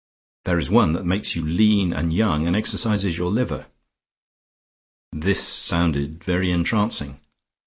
There is one that makes you lean and young and exercises the liver." This sounded very entrancing.